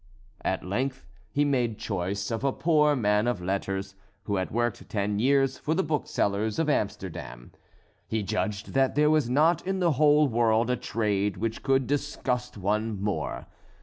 At length he made choice of a poor man of letters, who had worked ten years for the booksellers of Amsterdam. He judged that there was not in the whole world a trade which could disgust one more.